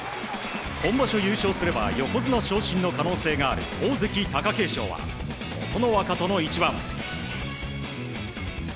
今場所優勝すれば横綱昇進の可能性がある大関・貴景勝は琴ノ若との一番。